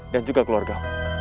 dan juga keluarga